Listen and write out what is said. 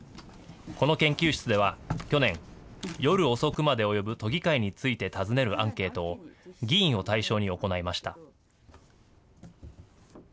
この研究室では去年、夜遅くまで及ぶ都議会について尋ねるアンケートを議員を対象に行いました。